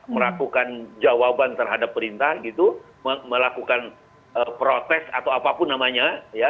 melakukan jawaban terhadap perintah gitu melakukan protes atau apapun namanya